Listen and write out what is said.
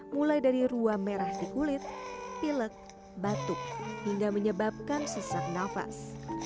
mulai dari ruam merah di kulit pilek batuk hingga menyebabkan sesak nafas